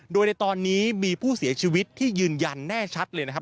โดยในตอนนี้มีผู้เสียชีวิตที่ยืนยันแน่ชัดเลยนะครับ